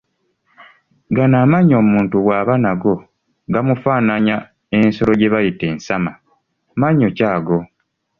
"Gano amannyo omuntu bw’aba nago gamufaananya ensolo gye bayita ensama, Mannyo ki ago?"